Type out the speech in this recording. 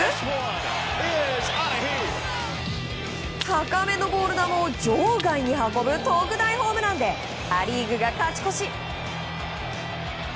高めのボール球を場外に運ぶ特大ホームランでア・リーグが勝ち越し。